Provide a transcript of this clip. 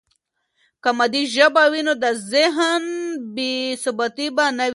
که مادي ژبه وي، نو د ذهن بې ثباتي به نه وي.